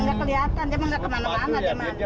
nggak kelihatan dia mah nggak kemana mana